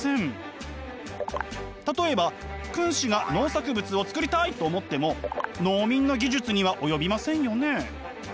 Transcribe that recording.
例えば君子が農作物をつくりたいと思っても農民の技術には及びませんよね。